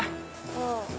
うん。